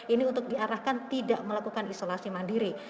ini untuk diarahkan tidak melakukan isolasi mandiri